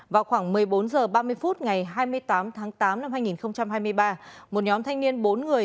vào khoảng một mươi bốn h ba mươi phút ngày hai mươi tám tháng tám năm hai nghìn hai mươi ba một nhóm thanh niên bốn người